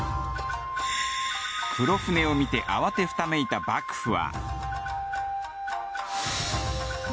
黒船を見て慌てふためいた幕府は。